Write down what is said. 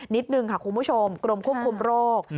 นิดนึงค่ะคุณผู้ชมกรมควบคุมโรค